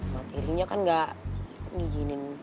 mati ringnya kan enggak ngijinin